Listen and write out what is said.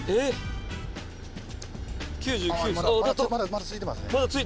まだついてますね。